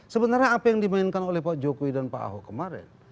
sebenarnya apa yang dimainkan oleh pak jokowi dan pak ahok kemarin